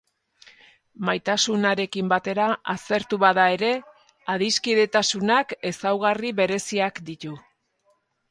Maitasunarekin batera aztertu bada ere, adiskidetasunak ezaugarri bereziak ditu.